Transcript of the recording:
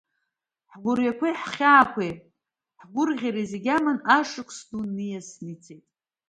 Ҳгәырҩақәеи ҳхьаақәеи ҳгәырӷьеи зегь аман, ашықәс ду ниасны ицеит…